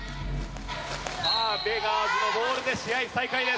さあベガーズのボールで試合再開です。